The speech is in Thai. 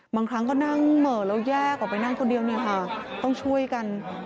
บางครั้งก็นั่งเหม่อแล้วแยกออกไปนั่งคนเดียวเนี่ยค่ะต้องช่วยกัน